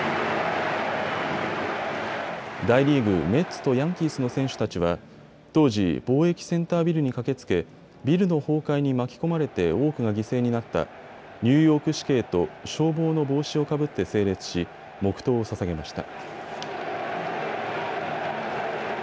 大リーグ、メッツとヤンキースの選手たちは当時、貿易センタービルに駆けつけビルの崩壊に巻き込まれて多くが犠牲になったニューヨーク市警と消防の帽子をかぶって整列し黙とうをささげました。